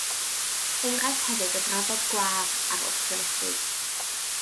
Enghraifft hefyd o drafod gwâr ar wrthwynebydd.